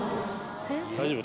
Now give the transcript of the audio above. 大丈夫？